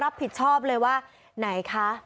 รับผิดชอบเลยว่าไหนคะ